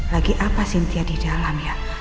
lagi apa cynthia di dalam ya